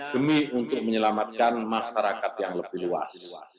demi untuk menyelamatkan masyarakat yang lebih luas